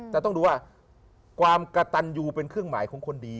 แต่ต้องดูว่าความกระตันยูเป็นเครื่องหมายของคนดี